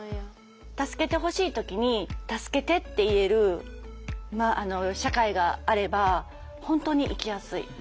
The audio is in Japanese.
助けてほしい時に助けてって言える社会があれば本当に生きやすい。